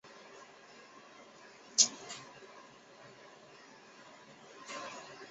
也有一名拿着大面中华民国国旗的荣民被警察带离现场。